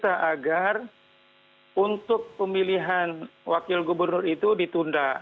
kita agar untuk pemilihan wakil gubernur itu ditunda